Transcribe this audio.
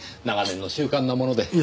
長年の習慣なもので。